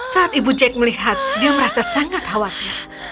saat ibu jack melihat dia merasa sangat khawatir